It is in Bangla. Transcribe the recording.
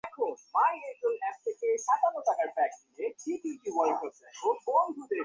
তিনি বিশেষ অবদান রাখেন।